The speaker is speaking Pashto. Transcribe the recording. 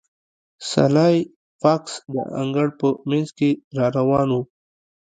سلای فاکس د انګړ په مینځ کې را روان و